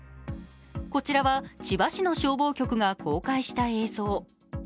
こちらは、千葉市の消防局が公開した映像。